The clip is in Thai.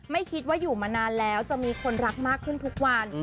ไม่คิดว่าอยู่มานานแล้วจะมีคนรักมากขึ้นทุกวัน